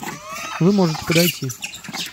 Вы можете подойти.